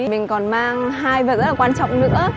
mình còn mang hai vật rất là quan trọng nữa